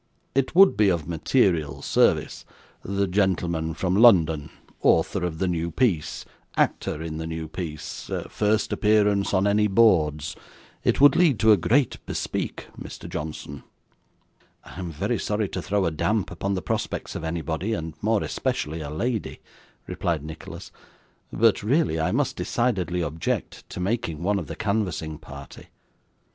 It would be of material service the gentleman from London author of the new piece actor in the new piece first appearance on any boards it would lead to a great bespeak, Mr. Johnson.' 'I am very sorry to throw a damp upon the prospects of anybody, and more especially a lady,' replied Nicholas; 'but really I must decidedly object to making one of the canvassing party.